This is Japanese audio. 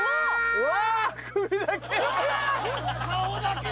うわ！